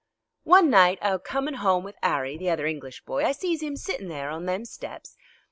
"One night a comin' 'ome with Arry, the other English boy, I sees 'im a sittin' there on them steps.